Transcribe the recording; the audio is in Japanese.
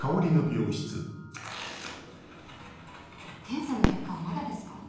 検査の結果はまだですか？